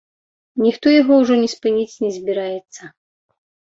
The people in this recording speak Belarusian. Ніхто яго ўжо не спыніць не збіраецца.